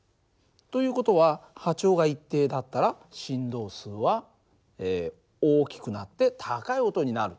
という事は波長が一定だったら振動数は大きくなって高い音になる。